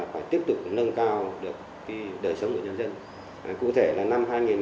phải tiếp tục nâng cao được đời sống của nhân dân